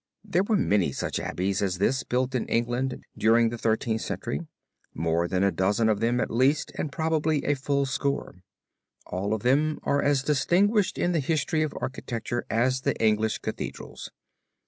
There were many such abbeys as this built in England during the Thirteenth Century more than a dozen of them at least and probably a full score. All of them are as distinguished in the history of architecture as the English Cathedrals.